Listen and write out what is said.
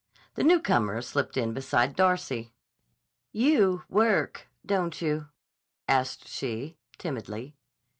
The newcomer slipped in beside Darcy. "You work, don't you?" asked she, timidly.